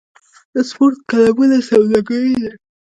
د سپورت کلبونه سوداګري ده؟